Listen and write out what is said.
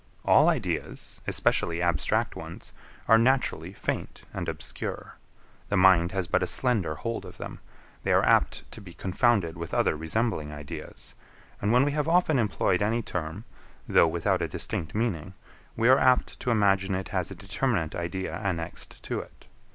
All ideas, especially abstract ones, are naturally faint and obscure: the mind has but a slender hold of them: they are apt to be confounded with other resembling ideas; and when we have often employed any term, though without a distinct meaning, we are apt to imagine it has a determinate idea annexed to it.